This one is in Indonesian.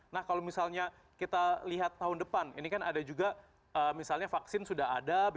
nah kalau misalnya kita lihat tahun depan ini kan ada juga misalnya vaksin sudah ada